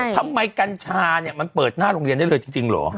ทำไมกัญชามันเปิดหน้าโรงเรียนได้เลยจริงหรอ